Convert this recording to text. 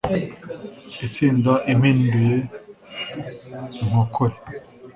Intsinda impinduye inkokore!